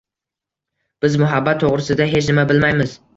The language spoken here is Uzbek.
Biz muhabbat to‘g‘risida hech nima bilmaymiz